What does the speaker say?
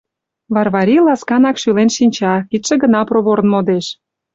Варвари ласканак шӱлен шинча, кидше гына проворын модеш.